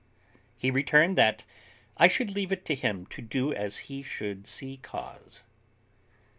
He returned, that I should leave it to him to do as he should see cause.